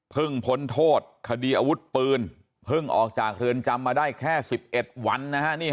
พ้นโทษคดีอาวุธปืนเพิ่งออกจากเรือนจำมาได้แค่๑๑วันนะฮะ